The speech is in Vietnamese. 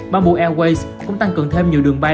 ban bộ airways cũng tăng cường thêm nhiều đường bay